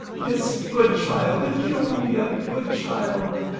Miss Goodchild Julia Goodchild!